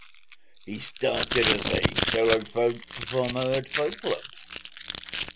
He started as a solo folk performer at folk clubs.